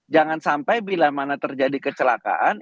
jangan sampai bila mana terjadi kecelakaan